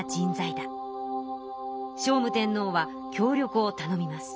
聖武天皇は協力を頼みます。